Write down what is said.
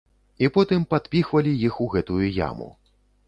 І потым падпіхвалі іх у гэтую яму.